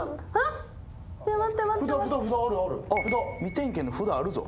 未点検の札あるぞ。